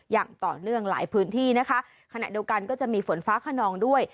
อย่างต่อเนื่องหลายพื้นที่นะคะขณะเดียวกันก็จะมีฝนฟ้าขนองด้วย